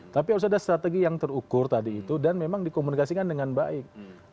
tapi harus ada strategi yang terukur tadi itu dan memang dikomunikasikan dengan baik